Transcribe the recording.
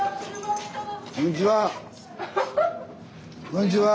こんにちは。